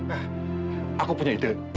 eh aku punya ide